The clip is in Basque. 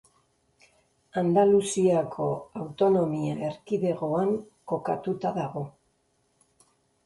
Andaluziako autonomia erkidegoan kokatuta dago.